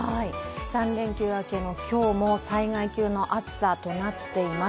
３連休明けの今日も災害級の暑さとなっています。